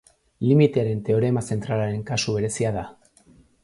Limitearen teorema zentralaren kasu berezia da.